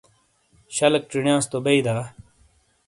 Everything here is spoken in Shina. شلیک چینیاس تو بئی دا؟